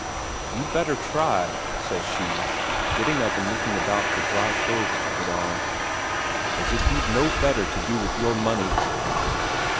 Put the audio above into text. "You'd better try!" says she, getting up and looking about for dry clothes to put on. "As if you'd no better to do with your money!"